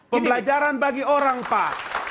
pembelajaran bagi orang pak